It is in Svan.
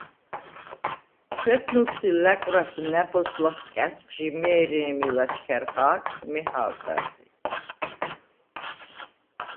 თვეთნჷლდს ი ლა̈კვრას ნა̈ბოზს ლახ კა̈ცხჟი მე̄რე̄მი ლაჩქა̈რ ხა̄გხ, მეჰა̄ვდარ ლი.